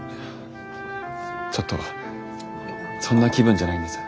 ちょっとそんな気分じゃないんです。